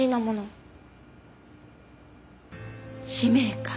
使命感。